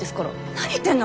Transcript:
何言ってんの！